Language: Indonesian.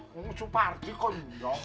pak soepardi kok nyong